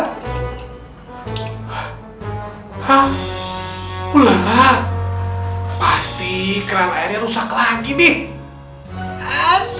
karena kita tidak harus minum kek region menif district